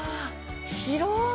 広い。